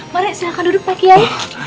mari silahkan duduk pak kiai